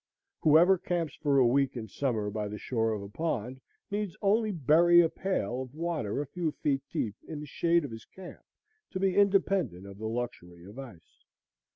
Whoever camps for a week in summer by the shore of a pond, needs only bury a pail of water a few feet deep in the shade of his camp to be independent of the luxury of ice.